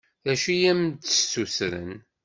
D acu i am-d-ssutren?